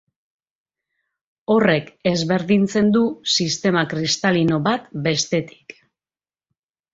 Horrek ezberdintzen du sistema kristalino bat bestetik.